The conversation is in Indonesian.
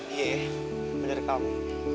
iya ya bener kamu